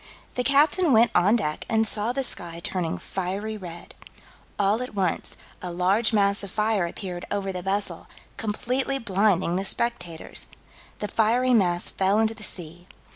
The captain went on deck and saw the sky turning fiery red. "All at once, a large mass of fire appeared over the vessel, completely blinding the spectators." The fiery mass fell into the sea.